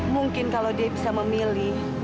mungkin kalau dia bisa memilih